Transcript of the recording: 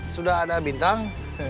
sudah ada bintang